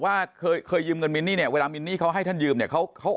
ว่าเคยเย็มกันบี๊มเนี่ยวิริมิติเขาให้แจ้มเนี้ยเขาเขา